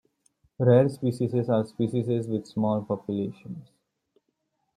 Rare species are species with small populations.